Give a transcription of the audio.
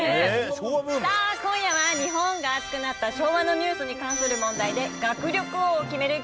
さあ今夜は日本が熱くなった昭和のニュースに関する問題で学力王を決める